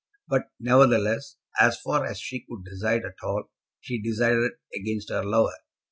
But, nevertheless, as far as she could decide at all, she decided against her lover.